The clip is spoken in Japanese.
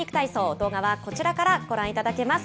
動画はこちらからご覧いただけます。